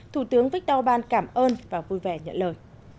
thủ tướng viktor ban cảm ơn và vui vẻ nhận lời